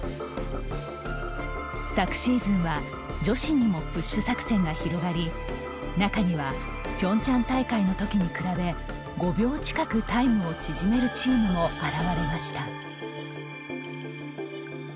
昨シーズンは女子にもプッシュ作戦が広がり中にはピョンチャン大会の時に比べ５秒近くタイムを縮めるチームも現れました。